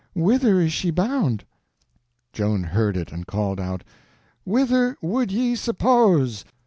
Whither is she bound?" Joan heard it, and called out: "Whither would ye suppose?